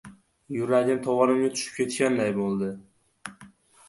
Yuragim tovonimga tushib ketganday bo‘ldi.